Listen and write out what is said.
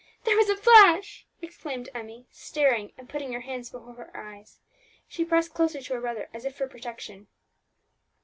"There was a flash!" exclaimed Emmie, starting and putting her hands before her eyes. She pressed closer to her brother as if for protection.